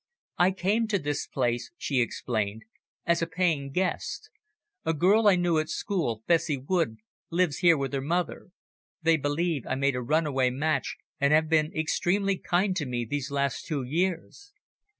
"I came to this place," she explained, "as a paying guest. A girl I knew at school, Bessie Wood, lives here with her mother. They believe I made a runaway match, and have been extremely kind to me these last two years."